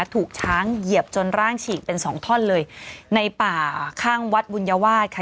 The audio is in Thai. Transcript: ถูกช้างเหยียบจนร่างฉีกเป็นสองท่อนเลยในป่าข้างวัดบุญวาสค่ะ